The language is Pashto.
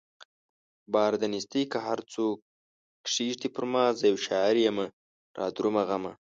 بار د نيستۍ که هر څو کښېږدې پرما زه يو شاعر يمه رادرومه غمه